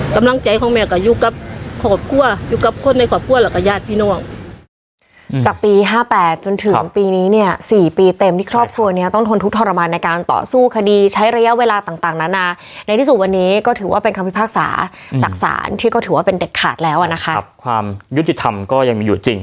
กำลังใจของแม่ก็ยูกกับคน